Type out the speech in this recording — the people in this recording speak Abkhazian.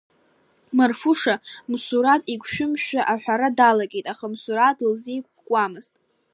Марфуша Мсураҭ игәшәымшәа аҳәара далагеит, аха Мсураҭ дылзеиқәкуамызт.